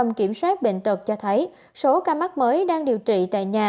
trung tâm kiểm soát bệnh tật cho thấy số ca mắc mới đang điều trị tại nhà